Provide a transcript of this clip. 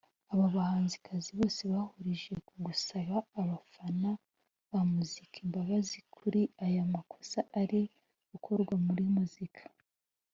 Aba bahanzikazi bose bahurije ku gusaba abafana ba muzika imbabazi kuri aya makosa ari gukorwa muri muzika